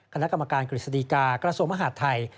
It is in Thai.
คณะกรรมการกฤษฎีกากระทรวงมหาดไทย